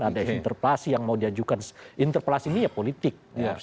ada interpelasi yang mau diajukan interpelasi ini ya politik